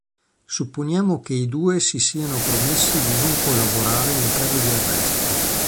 Supponiamo che i due si siano promessi di non collaborare in caso di arresto.